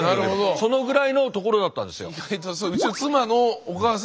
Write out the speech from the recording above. そのぐらいの所だったんですよ。